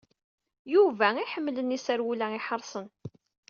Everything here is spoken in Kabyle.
Yuba iḥemmlen iserwula iḥerṣen.